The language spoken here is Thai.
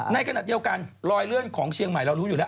ในขณะเดียวกันรอยเลื่อนของเชียงใหม่เรารู้อยู่แล้ว